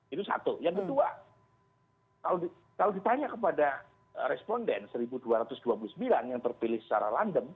itu satu yang kedua kalau ditanya kepada responden satu dua ratus dua puluh sembilan yang terpilih secara random